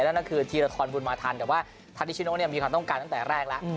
นั่นก็คือธีรทรบุญมาทันแต่ว่าธันนิชิโนมีความต้องการตั้งแต่แรกแล้ว